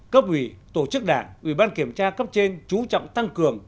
bốn cấp ủy tổ chức đảng ủy ban kiểm tra cấp trên trú trọng tăng cường